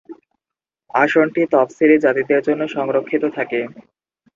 আসনটি তফসিলি জাতিদের জন্য সংরক্ষিত।